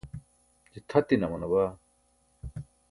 je tʰatine amana baa